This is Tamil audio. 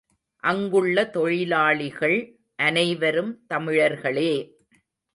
அங்குள்ள தொழிலாளிகள் அனைவரும் தமிழர்களே!